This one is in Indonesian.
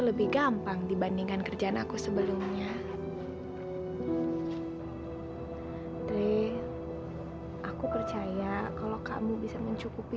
lebih gampang dibandingkan kerjaan aku sebelumnya tri aku percaya kalau kamu bisa mencukupi